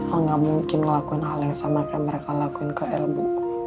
el gak mungkin ngelakuin hal yang sama yang mereka lakuin ke el bu